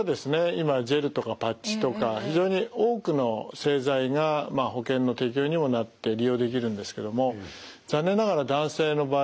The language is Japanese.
今ジェルとかパッチとか非常に多くの製剤が保険の適用にもなって利用できるんですけども残念ながら男性の場合ですね